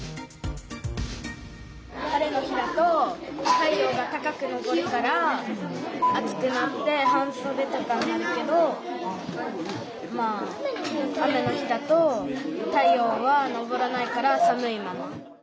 晴れの日だと太陽が高くのぼるから暑くなって半そでとかになるけどまあ雨の日だと太陽はのぼらないから寒いまま。